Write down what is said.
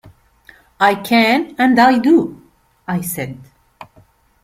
"I can, and I do," I said.